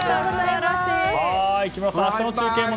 木村さん、明日の中継も